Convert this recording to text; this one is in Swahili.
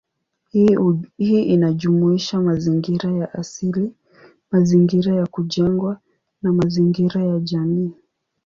Hii inajumuisha mazingira ya asili, mazingira ya kujengwa, na mazingira ya kijamii.